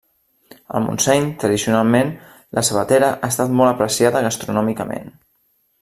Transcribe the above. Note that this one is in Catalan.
Al Montseny, tradicionalment, la sabatera ha estat molt apreciada gastronòmicament.